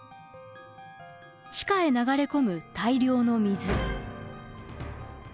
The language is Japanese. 地下へ流れ込む大量の水。